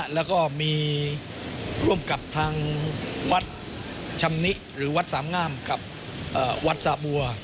แล้วก็มีร่วมกับทางวัดชำนิหรือวัดสามงามกับวัดสะบัว